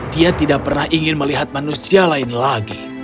dia tidak pernah ingin melihat manusia lain lagi